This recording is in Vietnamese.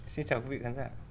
xin chào quý vị khán giả